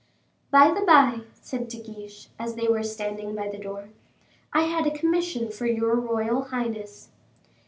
"By the by," said De Guiche, as they were standing by the door, "I had a commission for your royal highness."